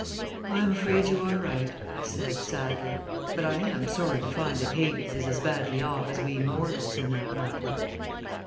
"I am afraid you are right," I said, sadly, "but I am sorry to find that Hades is as badly off as we mortals in that matter."